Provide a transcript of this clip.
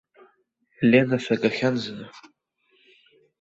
Лена сагахьан зны.